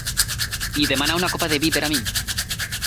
I demana una copa de vi per a mi.